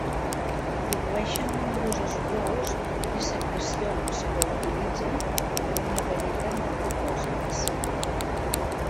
Produeixen nombroses olors i secrecions que utilitzen per a una varietat de propòsits.